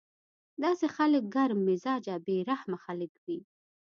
داسې خلک ګرم مزاجه بې رحمه خلک وي